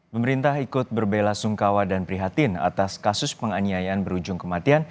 pemerintah ikut berbela sungkawa dan prihatin atas kasus penganiayaan berujung kematian